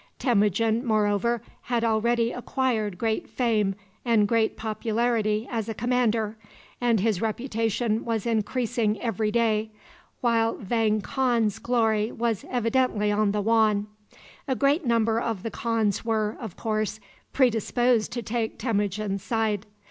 Temujin, moreover, had already acquired great fame and great popularity as a commander, and his reputation was increasing every day, while Vang Khan's glory was evidently on the wane. A great number of the khans were, of course, predisposed to take Temujin's side.